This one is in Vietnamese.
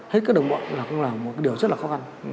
hết các đồng bộ cũng là một cái điều rất là khó khăn